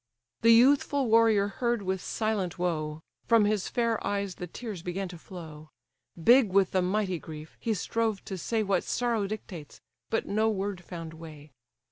The youthful warrior heard with silent woe, From his fair eyes the tears began to flow: Big with the mighty grief, he strove to say What sorrow dictates, but no word found way.